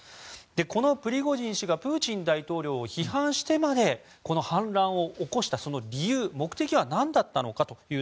このプリゴジン氏がプーチン大統領を批判してまでこの反乱を起こした理由や目的は何だったのか。